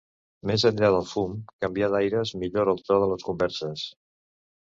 Més enllà del fum, canviar d'aires millora el to de les converses.